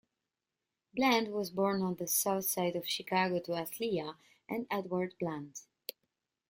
Bland was born on the South Side of Chicago to Althea and Edward Bland.